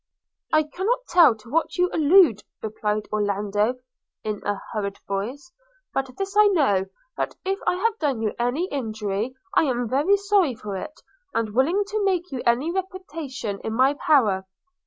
'I cannot tell to what you allude,' replied Orlando in a hurried voice; 'but this I know, that if I have done you any injury, I am very sorry for it, and willing to make you any reparation in my power.'